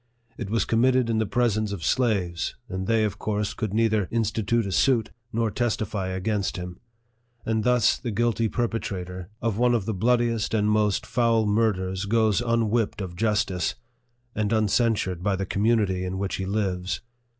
It was committed in the presence of slaves, and they of course could neither institute a suit, nor testify against him ; and thus the guilty perpetrator of one of the 24 NARRATIVE OF THE bloodiest and most foul murders goes unwhipped of justice, and uncensured by the community in which he lives.